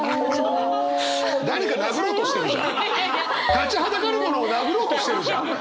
立ちはだかるものを殴ろうとしてるじゃん。